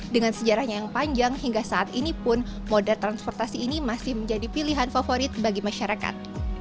dengan sejarahnya yang panjang hingga saat ini pun moda transportasi ini masih menjadi pilihan favorit bagi masyarakat